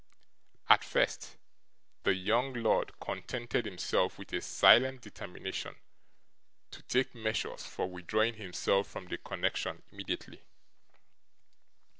At first, the young lord contented himself with a silent determination to take measures for withdrawing himself from the connection immediately.